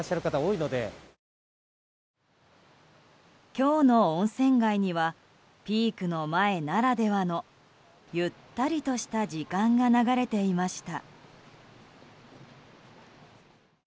今日の温泉街にはピークの前ならではのゆったりとした時間が流れていました。